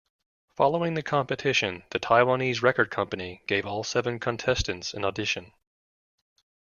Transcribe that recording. Following the competition, the Taiwanese record company gave all seven contestants an audition.